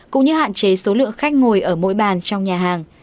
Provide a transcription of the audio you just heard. cũng như hạn chế số lượng khách ngồi ở mỗi bàn trong nhà hàng